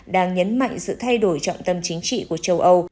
đang nhấn mạnh sự thay đổi trọng tâm chính trị của châu âu